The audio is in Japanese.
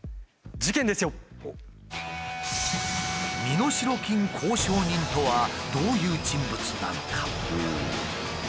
「身代金交渉人」とはどういう人物なのか？